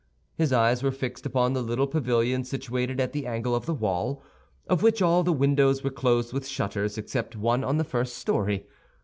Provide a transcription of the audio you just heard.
His eyes were fixed upon the little pavilion situated at the angle of the wall, of which all the windows were closed with shutters, except one on the first story.